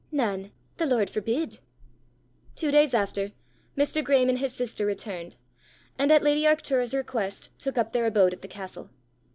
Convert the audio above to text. "Nane. The Lord forbid!" Two days after, Mr. Graeme and his sister returned, and at lady Arctura's request took up their abode at the castle.